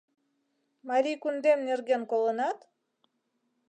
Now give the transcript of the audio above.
Марий кундем нерген колынат?